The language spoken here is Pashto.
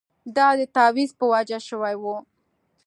دا د تاویز په وجه شوې وه.